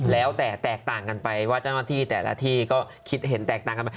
แล้วแต่แตกต่างกันไปว่าเจ้าหน้าที่แต่ละที่ก็คิดเห็นแตกต่างกันไป